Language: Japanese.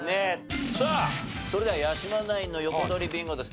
さあそれでは八嶋ナインの横取りビンゴです。